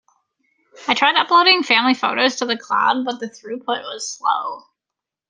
I tried uploading family photos to the cloud, but the throughput was slow.